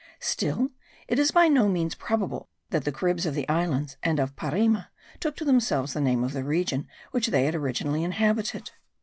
Still it is by no means probable that the Caribs of the islands and of Parima took to themselves the name of the region which they had originally inhabited.